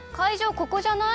ここじゃない？